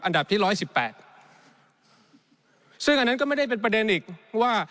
ที่ร้อยสิบแปดซึ่งอันนั้นก็ไม่ได้เป็นประเด็นอีกว่า